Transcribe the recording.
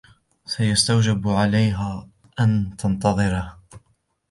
سيستوجب عليها أن تنتظره.